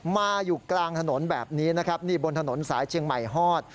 มาอยู่กลางถนนแบบนี้นะครับนี่บนถนนสายเชียงใหม่ฮอด